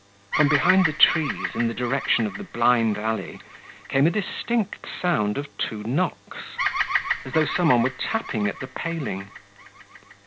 From behind the trees, in the direction of the blind alley, came a distinct sound of two knocks, as though some one were tapping at the paling.